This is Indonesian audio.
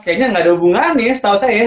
kayaknya gak ada hubungan nih setahu saya